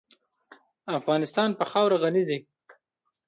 افغانستان په خاوره غني دی.